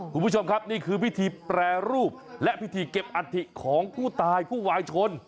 คุณผู้ชมครับนี่คือพิธีแปรรูปและพิธีเก็บอัฐิของผู้ตายผู้วายชน